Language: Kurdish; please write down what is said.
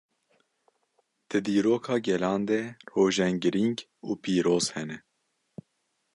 Di dîroka gelan de rojên girîng û pîroz hene.